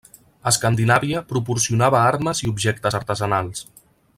Escandinàvia proporcionava armes i objectes artesanals.